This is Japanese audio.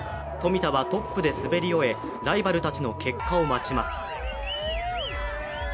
冨田はトップで滑り終え、ライバルたちの結果を待ちます。